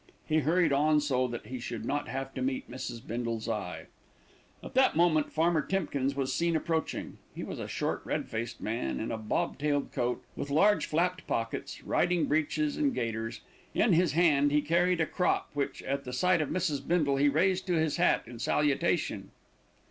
He hurried on so that he should not have to meet Mrs. Bindle's eye. At that moment Farmer Timkins was seen approaching. He was a short, red faced man in a bob tailed coat with large flapped pockets, riding breeches and gaiters. In his hand he carried a crop which, at the sight of Mrs. Bindle, he raised to his hat in salutation.